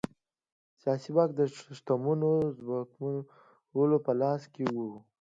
سیاسي واک د شتمنو ځمکوالو په لاس کې و.